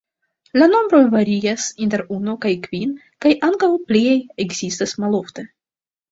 La nombro varias inter unu kaj kvin kaj ankaŭ pliaj ekzistas malofte.